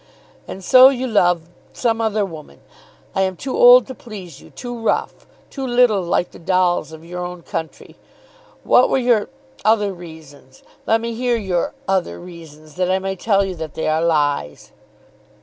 And so you love some other woman! I am too old to please you, too rough, too little like the dolls of your own country! What were your other reasons? Let me hear your other reasons, that I may tell you that they are lies."